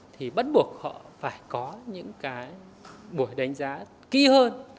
thì bắt buộc họ phải có những cái buổi đánh giá kỹ hơn